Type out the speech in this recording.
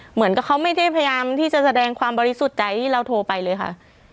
เหมือนกับเขาไม่ได้พยายามที่จะแสดงความบริสุทธิ์ใจที่เราโทรไปเลยค่ะ